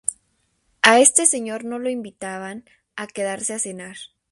A este señor no lo invitaban a quedarse a cenar.